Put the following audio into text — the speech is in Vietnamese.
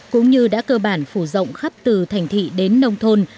cũng như đã cơ bản phủ rộng khắp từ thành thị đến nông thôn